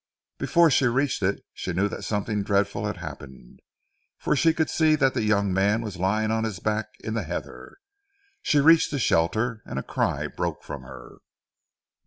Before she reached it, she knew that something dreadful had happened, for she could see that the young man was lying on his back in the heather. She reached the shelter and a cry broke from her.